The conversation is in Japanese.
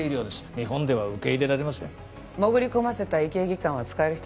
日本では受け入れられません潜り込ませた医系技官は使える人？